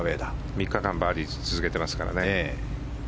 ３日間バーディー続けてますからね。